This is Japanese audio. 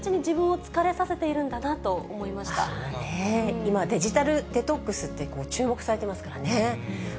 今、デジタルデトックスって注目されてますからね。